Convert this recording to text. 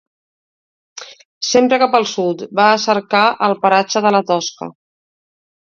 Sempre cap al sud, va a cercar el paratge de la Tosca.